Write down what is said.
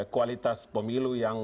kualitas pemilu yang